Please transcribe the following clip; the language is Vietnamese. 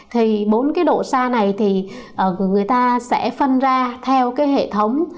thì bốn cái độ xa này thì người ta sẽ phân ra theo cái hệ thống